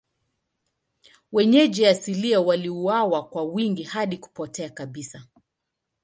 Wenyeji asilia waliuawa kwa wingi hadi kupotea kabisa.